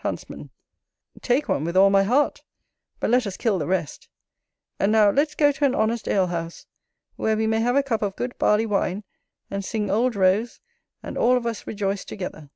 Huntsman. Take one with all my heart; but let us kill the rest. And now let's go to an honest ale house, where we may have a cup of good barley wine, and sing "Old Rose," and all of us rejoice together.